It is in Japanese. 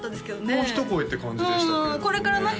もう一声って感じでしたけれどね